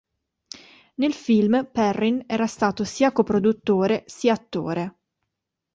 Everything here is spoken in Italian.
Nel film, Perrin era stato sia co-produttore sia attore.